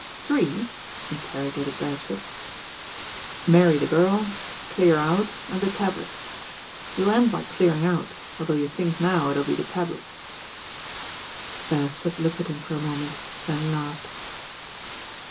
"Three?" mterrogated Beresford. "Marry the girl, clear out, and the tablets. You U end by clearing out, although you think now it'U be the tablets." Beresford looked at him for a moment, then laughed.